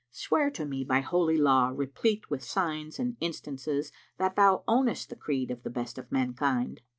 "Swear to me by Holy Law replete with signs and instances that thou ownest the creed of the Best of Mankind."